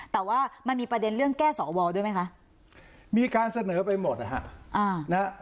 แต่ว่ามันมีประเด็นเรื่องแก้สวด้วยไหมคะมีการเสนอไปหมดนะฮะ